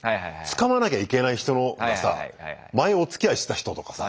つかまなきゃいけない人のがさ前おつきあいした人とかさ。